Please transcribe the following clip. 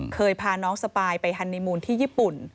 พาน้องสปายไปฮันนีมูลที่ญี่ปุ่น